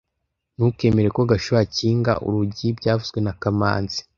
Ntukemere ko Gashuhe akinga urugi byavuzwe na kamanzi